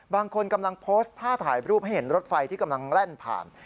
บางคนกำลังโพสต์ท่าถ่ายรูปให้เห็นรถไฟที่กำลังแล่นผ่าน